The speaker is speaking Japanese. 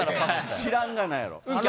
知らんがなやろ。